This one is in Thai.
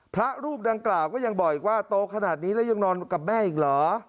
พระรูปดังกล่าวก็ยังบอกอีกว่าโตขนาดนี้แล้วยังนอนกับแม่อีกเหรอ